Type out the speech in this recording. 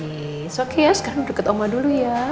it's okay ya sekarang duduk deket oma dulu ya